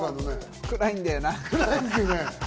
暗いんだよな。